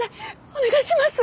お願いします！